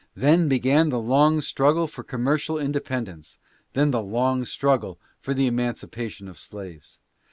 Then began the long struggle for commercial independence ; then the longer struggle for the emancipation of slaves.